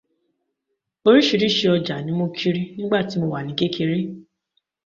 Oríṣiríṣi ọjà ni mo kiri nígbà tí mo wà ní kékeré.